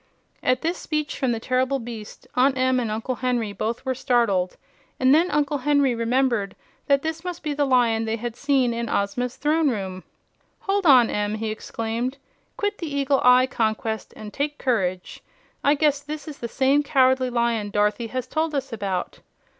At this speech from the terrible beast Aunt Em and Uncle Henry both were startled, and then Uncle Henry remembered that this must be the Lion they had seen in Ozma's Throne Room. "Hold on, Em!" he exclaimed. "Quit the eagle eye conquest an' take courage. I guess this is the same Cowardly Lion Dorothy has told us about."